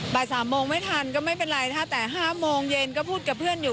บ่าย๓โมงไม่ทันก็ไม่เป็นไรถ้าแต่๕โมงเย็นก็พูดกับเพื่อนอยู่